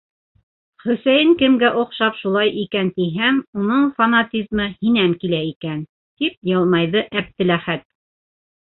Хөсәйен кемгә оҡшап шулай икән тиһәм, уның фанатизмы һинән килә икән! — тип йылмайҙы Әптеләхәт.